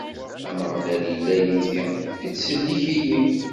Ameɣlal illa yid-i, ittsellik-iyi.